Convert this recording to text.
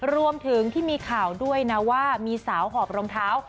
รวมถึงที่มีข่าวด้วยนะว่ามีสาวหอบรองเท้า